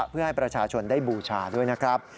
เพื่อให้ประชาชนได้บูชาด้วยนะครับ